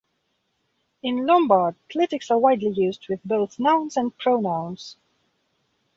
In Lombard, clitics are widely used with both nouns and pronouns.